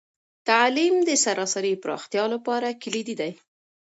تعلیم د سراسري پراختیا لپاره کلیدي دی.